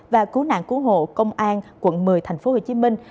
và cứu nạn cứu hộ công an quận một mươi thành phố hồ chí minh